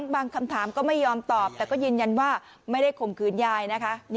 คำถามก็ไม่ยอมตอบแต่ก็ยืนยันว่าไม่ได้ข่มขืนยายนะคะ